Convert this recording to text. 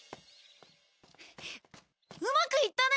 うまくいったね。